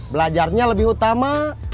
belajarnya lebih utama